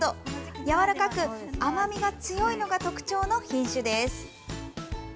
やわらかく甘みが強いのが特徴の品種です。